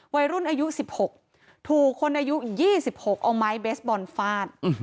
วัยรุ่นอายุสิบหกถูกคนอายุอีกยี่สิบหกเอาไม้เบสบอนฟาด